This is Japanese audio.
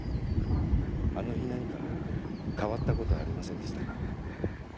あの日何か変わったことありませんでしたか？